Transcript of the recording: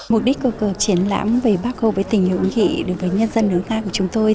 mục đích của cuộc triển lãm về bắc hồ với tình hữu nghị đối với nhân dân nước nga của chúng tôi